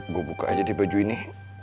gue buka aja di baju ini